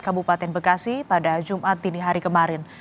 kabupaten bekasi pada jumat dini hari kemarin